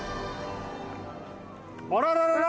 あらららら？